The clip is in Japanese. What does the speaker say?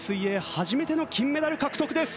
初めての金メダル獲得です。